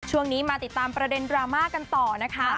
มาติดตามประเด็นดราม่ากันต่อนะคะ